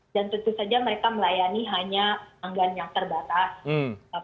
dan tentu saja mereka melayani hanya pelanggan yang terbarat